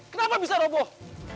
kenapa bisa roboh